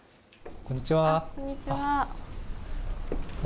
こんにちは。